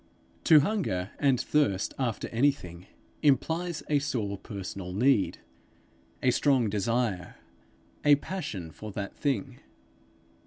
To hunger and thirst after anything, implies a sore personal need, a strong desire, a passion for that thing.